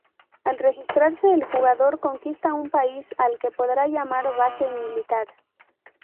Al registrarse el jugador conquista un país al que podrá llamar base militar.